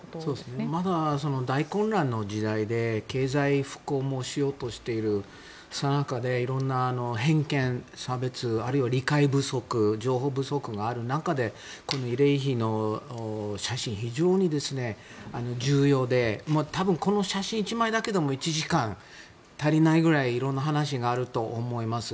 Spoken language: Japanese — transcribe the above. まだ大混乱の時代で経済復興もしようとしているさなかでいろんな偏見、差別あるいは理解不足情報不足がある中でこの慰霊碑の写真、非常に重要で多分、この写真１枚だけでも１時間じゃ足りないぐらいいろんな話があると思います。